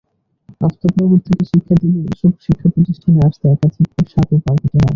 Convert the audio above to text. আফতাব নগর থেকে শিক্ষার্থীদের এসব শিক্ষাপ্রতিষ্ঠানে আসতে একাধিকবার সাঁকো পার হতে হয়।